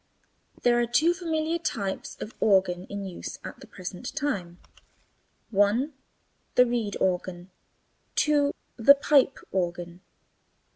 There are two familiar types of organ in use at the present time, (1) the reed organ, (2) the pipe organ.